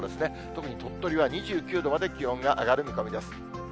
特に鳥取は２９度まで気温が上がる見込みです。